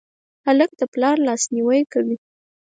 هلک د پلار لاسنیوی کوي.